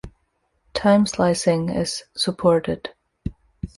Time slicing is supported.